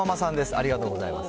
ありがとうございます。